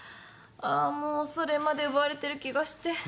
あもうそれまで奪われてる気がして。